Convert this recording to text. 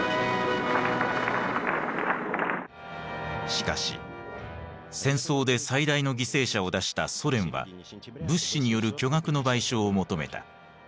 しかし戦争で最大の犠牲者を出したソ連は物資による巨額の賠償を求めた。